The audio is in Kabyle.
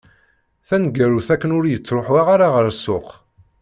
Taneggarut akken ur yettruḥu ara ɣer ssuq.